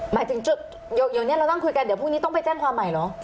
หมายถึงจุดเดี๋ยวนี้เรานั่งคุยกันเดี๋ยวพรุ่งนี้ต้องไปแจ้งความใหม่เหรอ